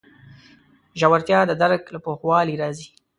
ژورتیا د درک له پراخوالي راځي.